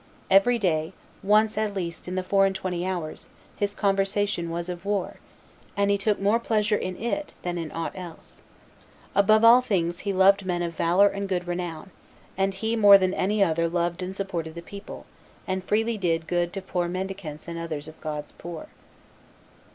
Every day, once at least in the four and twenty hours, his conversation was of war, and he took more pleasure in it than in aught else. Above all things he loved men of valor and good renown, and he more than any other loved and supported the people, and freely did good to poor mendicants and others of God's poor."